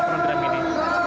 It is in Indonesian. ada program ini